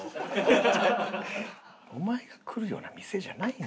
お前が来るような店じゃないねん大体。